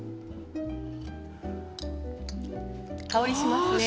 香りしますね。